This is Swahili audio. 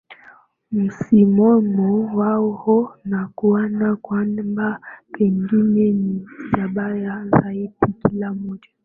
msimamo wao na kuona kwamba pengine si mbaya zaidi Kila mmoja